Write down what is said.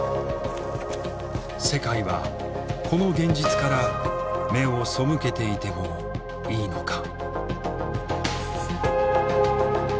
世界はこの現実から目を背けていてもいいのか。